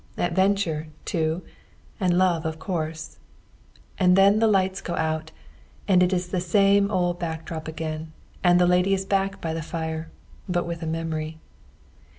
Adventure, too; and love, of course. And then the lights go out, and it is the same old back drop again, and the lady is back by the fire but with a memory.